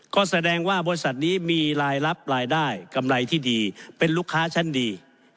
ก็แสดงว่าบริษัทนี้มีรายรับรายได้กำไรที่ดีเป็นลูกค้าชั้นดี